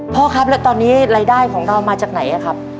พ่อครับแล้วตอนนี้รายได้ของเรามาจากไหนครับ